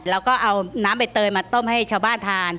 แล้วก็เอาน้ำใบเตยมาต้มให้ชาวบ้านทาน